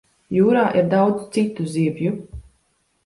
Jūrā ir daudz citu zivju.